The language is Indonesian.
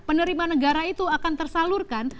penerima negara itu akan tersalurkan